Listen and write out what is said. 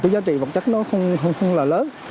giá trị vật chất nó không là lớn